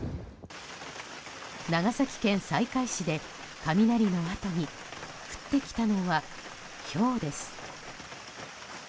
長崎県西海市で雷のあとに降ってきたのは、ひょうです。